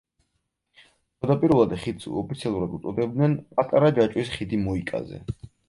თავდაპირველად ხიდს ოფიციალურად უწოდებდნენ „პატარა ჯაჭვის ხიდი მოიკაზე“.